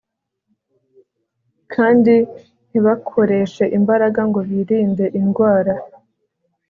kandi ntibakoreshe imbaraga ngo birinde indwara